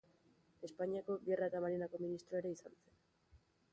Espainiako Gerra eta Marinako ministro ere izan zen.